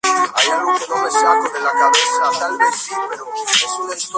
Angela es un adversario recurrente y, a veces, aliado de Spawn.